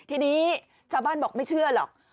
ทีนี้ชาวบ้านบอกไม่เชื่อหรอก